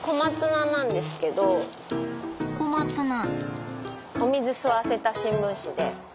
小松菜。